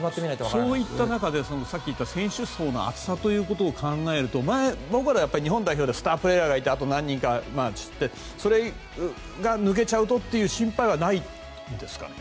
そういった中でさっき言った選手層の厚さということを考えると僕らは日本代表ってスタープレーヤーがいてあと何人かがいてそれが抜けちゃうとという心配はないんですかね。